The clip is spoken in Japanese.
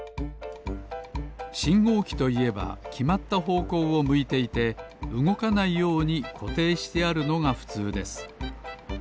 しんごうきといえばきまったほうこうをむいていてうごかないようにこていしてあるのがふつうです。